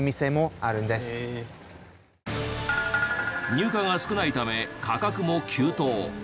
入荷が少ないため価格も急騰。